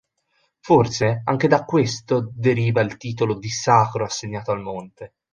Forse anche da questo deriva il titolo di "sacro" assegnato al monte.